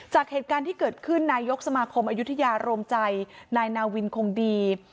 จากเหตุการณ์ที่เกิดขึ้นนายกสมาคมอายุทยาโรมใจนายนาวินคงดี